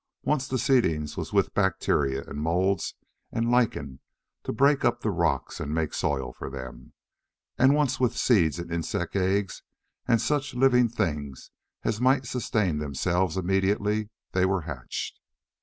Once the seedings was with bacteria and moulds and lichens to break up the rocks and make soil of them, and once with seeds and insect eggs and such living things as might sustain themselves immediately they were hatched.